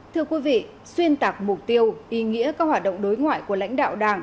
thưa quý vị xuyên tạc mục tiêu ý nghĩa các hoạt động đối ngoại của lãnh đạo đảng